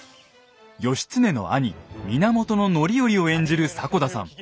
義経の兄源範頼を演じる迫田さん。